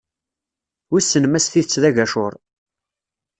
Wissen ma s tidet d agacur.